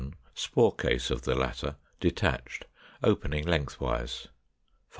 Spore case of the latter, detached, opening lengthwise. 508.